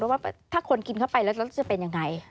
ว่าถ้าคนกินเข้าไปแล้วจะเป็นยังไง